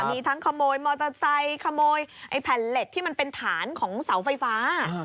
มีทั้งขโมยมอเตอร์ไซค์ขโมยไอ้แผ่นเหล็กที่มันเป็นฐานของเสาไฟฟ้า